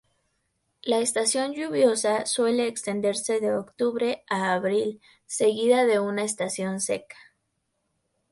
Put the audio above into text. La estación lluviosa suele extenderse de octubre a abril, seguida de una estación seca.